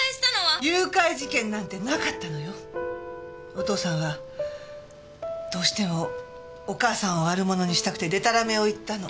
お父さんはどうしてもお母さんを悪者にしたくてデタラメを言ったの。